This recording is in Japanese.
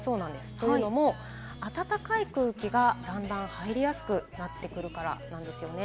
というのも、暖かい空気がだんだん入りやすくなってくるからなんですよね。